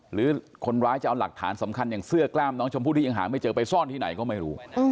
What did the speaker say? หรือคนร้ายจะเอาหลักฐานสำคัญอย่างเสื้อกล้ามน้องชมพู่ที่ยังหาไม่เจอไปซ่อนที่ไหนก็ไม่รู้